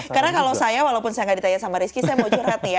karena kalau saya walaupun saya gak ditanya sama rizky saya mau curhat nih ya